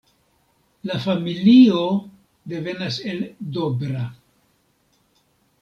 La familio devenas el Dobra.